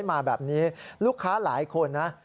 มาแบบนี้ลูกค้าหลายคนนะ